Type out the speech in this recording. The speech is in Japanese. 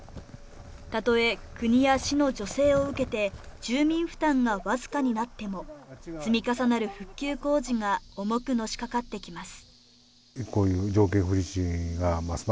たとえ国や市の助成を受けて住民負担が僅かになっても積み重なる復旧工事が重くのしかかってきます